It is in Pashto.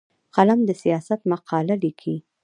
قلم د سیاست مقاله لیکي